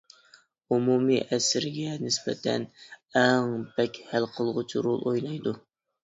ئومۇمىي ئەسەرگە نىسبەتەن ئەڭ بەك ھەل قىلغۇچ رول ئوينايدۇ.